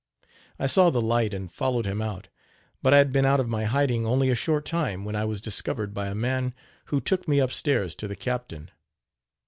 I saw the light and followed him out, but I had been out of my hiding only a short time when I was discovered by a man who took me up stairs to the captain.